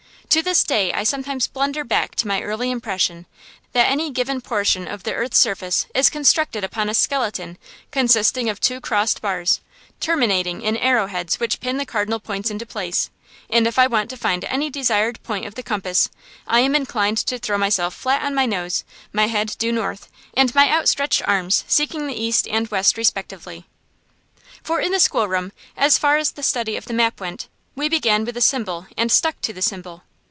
To this day I sometimes blunder back to my early impression that any given portion of the earth's surface is constructed upon a skeleton consisting of two crossed bars, terminating in arrowheads which pin the cardinal points into place; and if I want to find any desired point of the compass, I am inclined to throw myself flat on my nose, my head due north, and my outstretched arms seeking the east and west respectively. For in the schoolroom, as far as the study of the map went, we began with the symbol and stuck to the symbol.